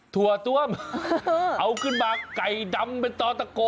ถั่วต้วมเอาขึ้นมาไก่ดำเป็นต่อตะโก